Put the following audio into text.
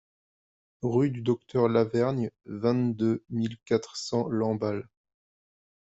Rue du Docteur Lavergne, vingt-deux mille quatre cents Lamballe